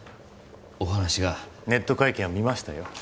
お話がネット会見は見ましたよ